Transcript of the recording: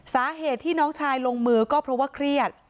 สาเหตุที่น้องชายลงมือก็เพราะว่าเครียด